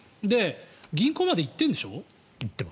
銀行まで行ってるんでしょ？